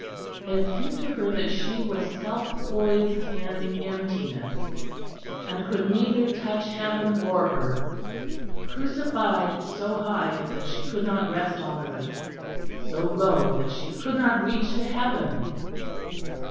It seemed to her that she was self poised in emptiness, and could neither touch heaven or earth crucified so high that she could not rest on earth, so low that she could not reach to heaven.